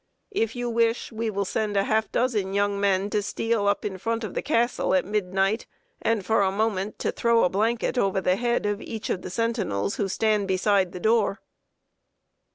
If you wish, we will send a half dozen young men to steal up in front of the Castle at midnight; and, for a moment, to throw a blanket over the head of each of the sentinels who stand beside the door."